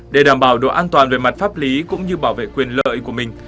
để đảm bảo độ an toàn về mặt pháp lý cũng như bảo vệ quyền lợi của mình